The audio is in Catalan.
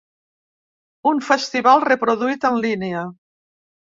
Un festival reproduït en línia.